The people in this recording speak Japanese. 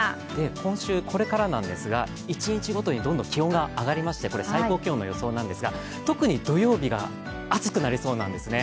今週、これからなんですが、一日ごとにどんどん気温が上がりまして最高気温の予想なんですが特に土曜日が暑くなりそうなんですね。